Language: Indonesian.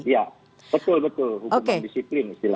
iya betul betul hukuman disiplin